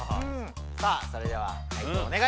さあそれでは解答をおねがいします。